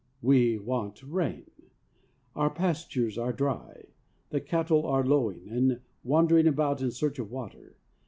We want rain. Our pastures are dry. The cattle are lowing and wandering about in search of water.